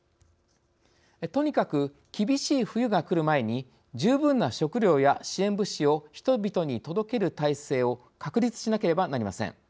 とにかく厳しい冬が来る前に十分な食料や支援物資を人々に届ける態勢を確立しなければなりません。